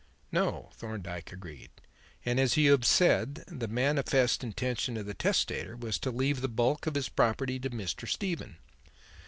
"No," Thorndyke agreed. "And, as you have said, the manifest intention of the testator was to leave the bulk of his property to Mr. Stephen.